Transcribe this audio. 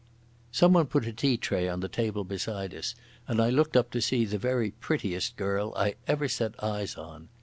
Someone put a tea tray on the table beside us, and I looked up to see the very prettiest girl I ever set eyes on.